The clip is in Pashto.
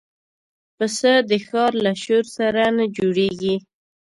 پسه د ښار له شور سره نه جوړيږي.